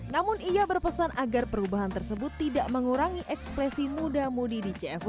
namun ia berpesan agar perubahan tersebut tidak mengurangi ekspresi muda mudi di cfw